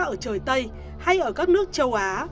ở trời tây hay ở các nước châu á